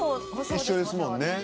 「一緒ですもんね」